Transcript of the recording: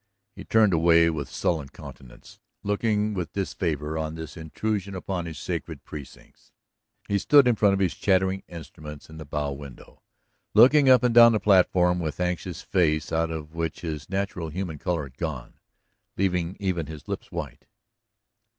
He turned away with sullen countenance, looking with disfavor on this intrusion upon his sacred precincts. He stood in front of his chattering instruments in the bow window, looking up and down the platform with anxious face out of which his natural human color had gone, leaving even his lips white.